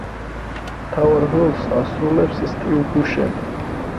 მთავარ როლს ასრულებს სტივ ბუშემი.